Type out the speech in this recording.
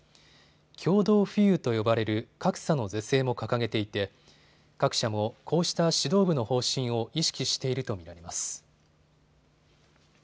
共同富裕と呼ばれる格差の是正も掲げていて各社もこうした指導部の方針を意識していると見られます。